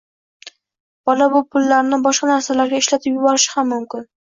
Bola bu pullarni boshqa narsalarga ishlatib yuborishi ham mumkin.